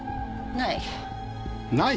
ない？